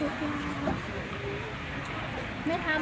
ทุกวันใหม่ทุกวันใหม่